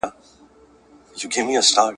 په يوه خوله دا مني